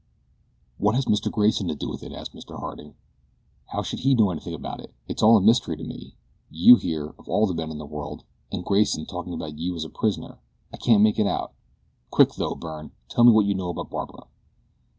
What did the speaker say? "What has Mr. Grayson to do with it?" asked Mr. Harding. "How should he know anything about it? It's all a mystery to me you here, of all men in the world, and Grayson talking about you as the prisoner. I can't make it out. Quick, though, Byrne, tell me all you know about Barbara."